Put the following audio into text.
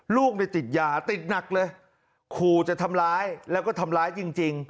ลูกเนี่ยติดยาติดหนักเลยขู่จะทำร้ายแล้วก็ทำร้ายจริง